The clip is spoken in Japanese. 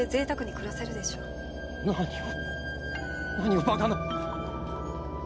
何を何をバカな。